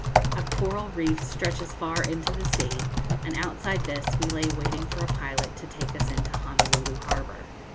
A coral reef stretches far into the sea, and outside this we lay waiting for a pilot to take us into Honolulu Harbour.